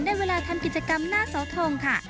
ได้เวลาทำกิจกรรมหน้าเสาทงค่ะ